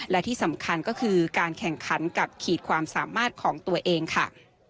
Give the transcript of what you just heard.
และที่สำคัญก็คือการแข่งขันกับขีดความสามารถของตัวเองค่ะ